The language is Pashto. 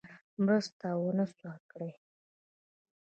مرسته ونه سوه کړای.